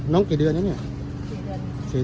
น้องเกี่ยวเดือนไหมเนี่ย๔เดือน